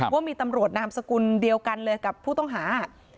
ว่ามีตำรวจนามสกุลเดียวกันเลยกับผู้ต้องหา